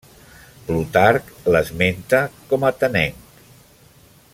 Plutarc l'esmenta com atenenc.